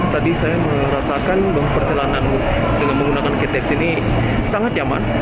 tadi saya merasakan bahwa perjalanan dengan menggunakan ktx ini sangat nyaman